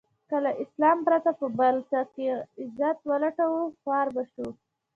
که له اسلام پرته په بل څه کې عزت و لټوو خوار به شو.